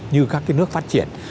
như các cái nước phát triển